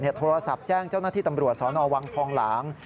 โทรศัพท์แจ้งเจ้าหน้าที่ตำรวจสนวังทองหลาง